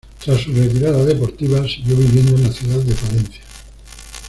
Tras su retirada deportiva siguió viviendo en la ciudad de Palencia.